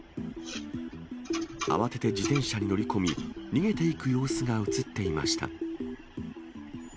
慌てて自転車に乗り込み、逃げていく様子が写っていました。